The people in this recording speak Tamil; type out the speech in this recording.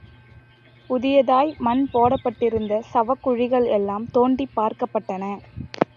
புதியதாய் மண் போடப்பட்டிருந்த சவக்குழிகள் எல்லாம் தோண்டிப் பார்க்கப்பட்டன.